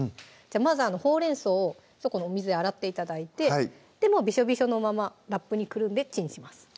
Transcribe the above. まずほうれん草をそこのお水で洗って頂いてビショビショのままラップにくるんでチンします